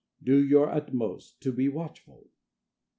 Do your utmost and be watchful."